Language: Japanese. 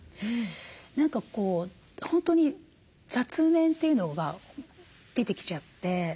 何かこう本当に雑念というのが出てきちゃって。